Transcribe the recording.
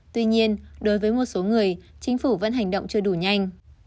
tuy nhiên đối với một số người chính phủ vẫn hành động chưa đủ nhanh